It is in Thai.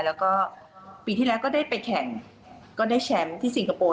แล้วก็ปีที่แล้วก็ได้ไปแข่งก็ได้แชมป์ที่สิงคโปร์